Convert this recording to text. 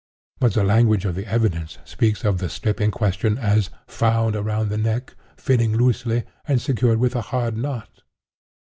But the language of the evidence speaks of the strip in question as 'found around the neck, fitting loosely, and secured with a hard knot.